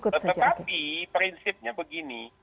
tetapi prinsipnya begini